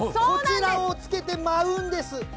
こちらをつけて舞うんです。